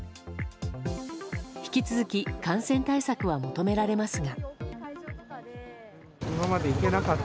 引き続き感染対策は求められますが。